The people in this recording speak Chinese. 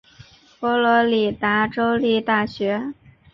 佛罗里达州立大学。